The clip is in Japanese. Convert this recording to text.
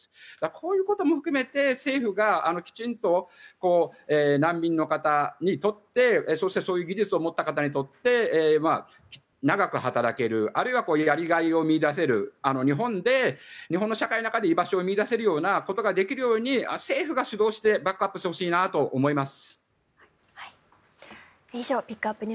こういうことも含めて政府がきちんと難民の方にとってそしてそういう技術を持った方にとって長く働けるあるいは、やりがいを見いだせる日本で、日本の社会の中で居場所を見いだせるようなことができるように、政府が主導してバックアップしてほしいなと思います。